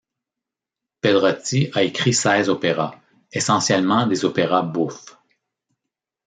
Pedrotti a écrit seize opéras, essentiellement des opéras bouffes.